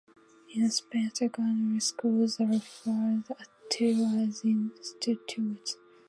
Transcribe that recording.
In Spain secondary schools are referred to as institutes.